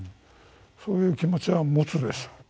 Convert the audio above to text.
そういう気持ちは持つでしょう。